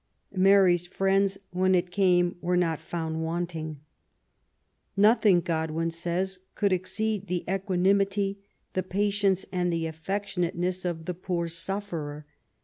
Mary's friends, when it came, were not found wanting. " Nothing,'' Godwin says, '* could exceed the equa nimity, the patience, and affectionateness of the poor sufferer.